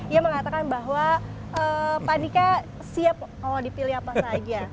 ia mengatakan bahwa pak nika siap kalau dipilih apa saja